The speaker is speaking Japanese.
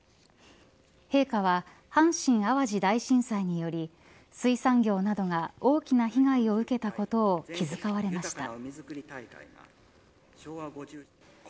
陛下は阪神・淡路大震災により水産業などが大きな被害を受けたことを気遣われました。